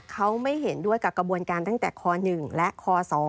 เขาไม่เห็นด้วยกับกระบวนการตั้งแต่ค๑และคศ